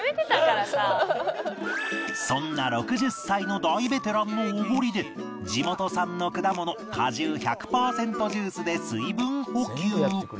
そんな６０歳の大ベテランのおごりで地元産の果物果汁１００パーセントジュースで水分補給